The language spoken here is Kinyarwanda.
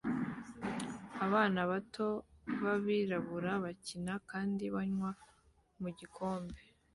Abana bato b'abirabura bakina kandi banywa mu gikombe